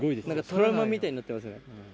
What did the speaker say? トラウマみたいになってますね。